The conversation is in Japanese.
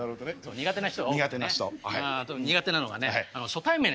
苦手な人。